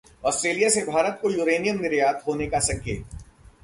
Australia से भारत को uranium निर्यात होने का संकेत